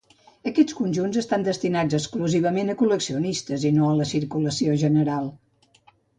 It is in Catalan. Aquests conjunts estan destinats exclusivament a col·leccionistes i no a la circulació general.